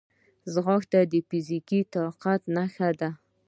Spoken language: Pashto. ځغاسته د فزیکي طاقت نښه ده